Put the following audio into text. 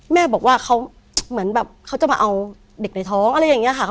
แม่บอกว่าเขาเหมือนแบบเขาจะมาเอาเด็กในท้องอะไรอย่างนี้ค่ะ